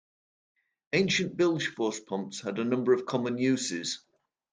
Ancient bilge force pumps had a number of common uses.